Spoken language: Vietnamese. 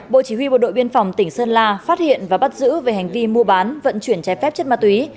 bộ chỉ huy bộ đội biên phòng tỉnh sơn la phát hiện và bắt giữ về hành vi mua bán vận chuyển trái phép chất ma túy